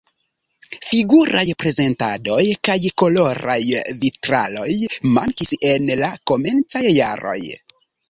Figuraj prezentadoj kaj koloraj vitraloj mankis en la komencaj jaroj.